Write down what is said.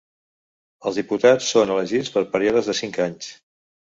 Els diputats són elegits per períodes de cinc anys.